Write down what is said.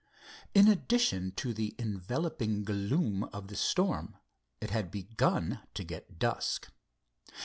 In addition to the enveloping gloom of the storm, it had begun to get dusk.